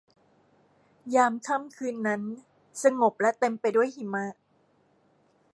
ยามค่ำคืนนั้นสงบและเต็มไปด้วยหิมะ